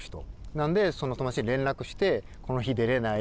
なのでその友だちに連絡して「この日出れない？」